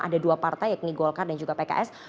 ada dua partai yakni golkar dan juga pks